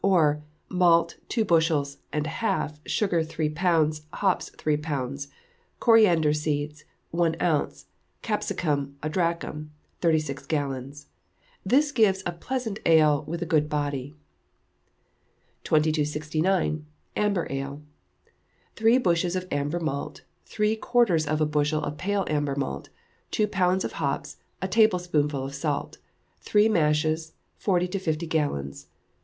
Or, malt, two bushels and a half; sugar, three pounds; hops, three pounds; coriander seeds, one ounce; capsicum, a drachm. Thirty six gallons. This gives a pleasant ale, with a good body. 2269. Amber Ale. Three bushels of amber malt, three quarters of a bushel of pale amber malt, two pounds of hops, a tablespoonful of salt. Three mashes, forty to fifty gallons.